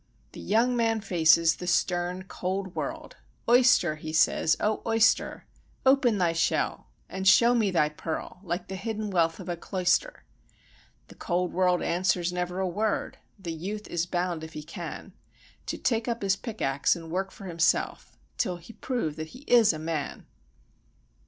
The young man faces the stern, cold world,— "Oyster!" he says, "O oyster! Open thy shell, and show me thy pearl, Like the hidden wealth of a cloister." The cold world answers never a word. The youth is bound, if he can, To take up his pickaxe and work for himself, Till he prove that he is a man!